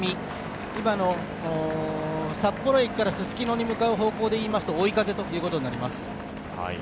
今の札幌駅からすすきのに向かう方向でいいますと追い風ということになります。